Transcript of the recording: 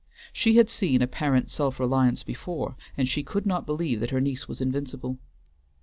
She had seen apparent self reliance before, and she could not believe that her niece was invincible.